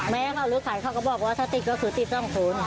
แม้เขาหรือข่าวเขาก็บอกว่าถ้าติดก็ติดต้องทุน